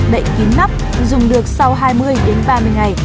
đậy kín nắp dùng được sau hai mươi đến ba mươi ngày